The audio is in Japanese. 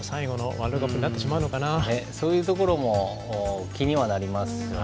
ワールドカップにそういうところも気にはなりますよね。